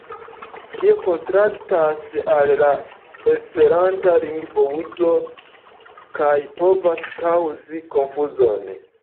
Tio kontrastas al la esperanta lingvouzo kaj povas kaŭzi konfuzon.